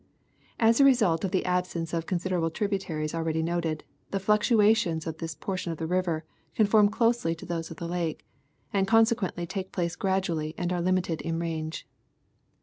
As a result of the absence of considerable tributaries already noted, the fluctuations of this portion of the river conform closely to those of the Lake, and consequently take place gradually and are limited in range.